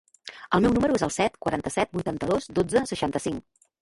El meu número es el set, quaranta-set, vuitanta-dos, dotze, seixanta-cinc.